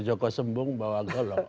joko sembung bawa golok